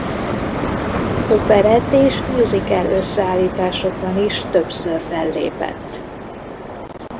Operett- és musical összeállításokban is többször fellépett.